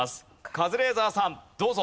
カズレーザーさんどうぞ。